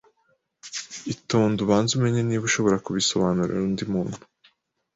itonde ubanze umenye niba ushobora kubisobanurira undi muntu